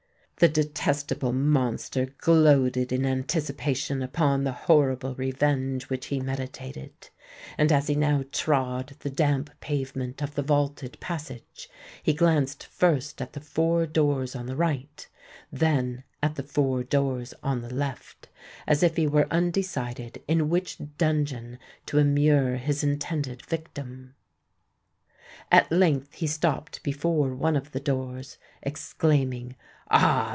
The detestable monster gloated in anticipation upon the horrible revenge which he meditated; and as he now trod the damp pavement of the vaulted passage, he glanced first at the four doors on the right, then at the four doors on the left, as if he were undecided in which dungeon to immure his intended victim. At length he stopped before one of the doors, exclaiming, "Ah!